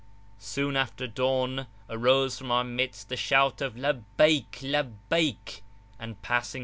Soon after dawn arose from our midst the shout of Labbaik! Labbaik! and passing [p.